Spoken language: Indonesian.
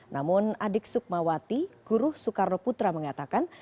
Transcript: namun adik sukmawati guru soekarno putra mengatakan